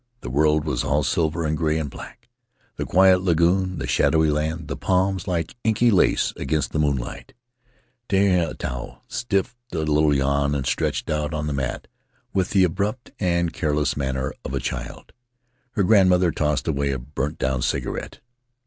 The world was all silver and gray and black — the quiet lagoon, the shadowy land, the palms like inky lace against the moonlight. Tehinatu stifled a little yawn and stretched out on the mat with the abrupt and careless manner of a child. Her grandmother tossed away a burnt down cigarette.